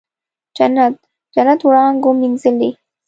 جنت، جنت وړانګو مینځلې